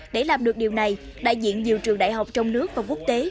để làm được điều này đại diện nhiều trường đại học trong nước và quốc tế